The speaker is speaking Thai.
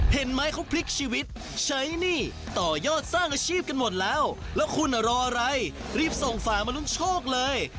เห็นไหมเขาพลิกชีวิตใช้หนี้ต่อยอดสร้างอาชีพกันหมดแล้วแล้วคุณรออะไรรีบส่งฝามาลุ้นโชคเลย